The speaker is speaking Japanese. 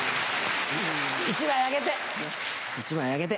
１枚あげて！